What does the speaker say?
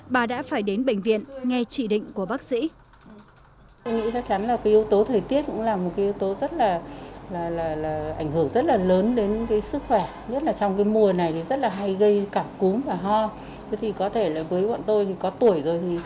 bà đã phải đến bệnh viện nghe chỉ định của bác sĩ